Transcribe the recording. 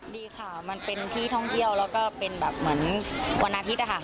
ดีค่ะมันเป็นที่ท่องเที่ยวแล้วก็เป็นแบบเหมือนวันอาทิตย์นะคะ